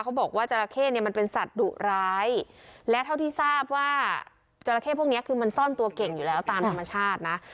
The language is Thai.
เขาบอกว่าจราเข้เนี่ยมันเป็นสัตว์ดุร้ายและเท่าที่ทราบว่าจราเข้พวกนี้คือมันซ่อนตัวเก่งอยู่แล้วตามธรรมชาตินะ